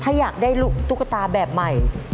ถ้าอยากได้ตุ๊กตาแบบใหม่